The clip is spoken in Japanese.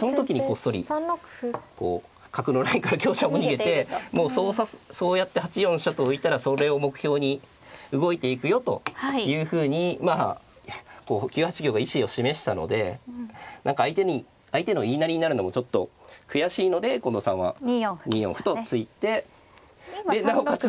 その時にこっそりこう角のラインから香車も逃げてもうそうやって８四飛車と浮いたらそれを目標に動いていくよというふうにまあこう９八香が意思を示したので何か相手の言いなりになるのもちょっと悔しいので近藤さんは２四歩と突いてなおかつ。